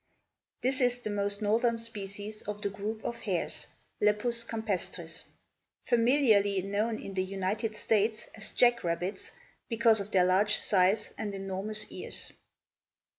This is the most northern species of the group of hares (Lepus campestris), familiarly known in the United States as jack rabbits because of their large size and enormous ears.